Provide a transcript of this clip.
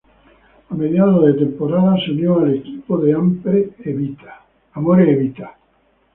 A mediados de temporada, se unió al equipo de Amore e Vita.